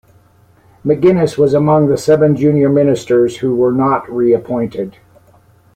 McGuinness was among the seven junior ministers who were not reappointed.